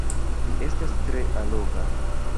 Vi estas tre alloga!